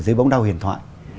dưới bóng đau hiền thoại